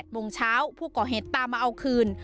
โมงเช้าผู้ก่อเหตุตามมาเอาคืน